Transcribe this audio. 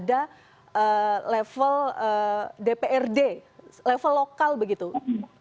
dan berbicara mengenai bagaimana kita perlu memberikan aspirasi negara demokrasi tapi di otorita nanti tidak ada